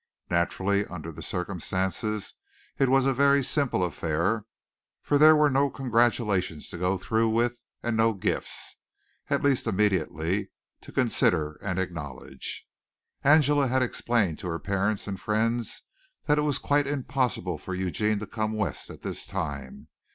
Naturally, under the circumstances, it was a very simple affair, for there were no congratulations to go through with and no gifts at least immediately to consider and acknowledge. Angela had explained to her parents and friends that it was quite impossible for Eugene to come West at this time.